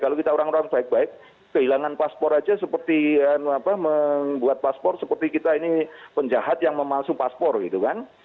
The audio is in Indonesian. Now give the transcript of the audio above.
kalau kita orang orang baik baik kehilangan paspor aja seperti membuat paspor seperti kita ini penjahat yang memalsu paspor gitu kan